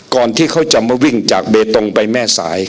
ที่เขาจะมาวิ่งจากเบตงไปแม่สาย